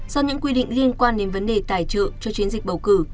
do những quy định liên quan đến vấn đề tài trợ cho chiến dịch bầu cử